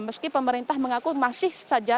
meski pemerintah mengaku masih saja